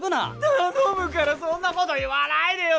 頼むからそんな事言わないでよ